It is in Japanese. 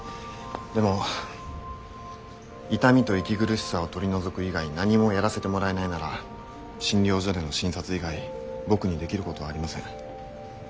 でも痛みと息苦しさを取り除く以外何もやらせてもらえないなら診療所での診察以外僕にできることはありません。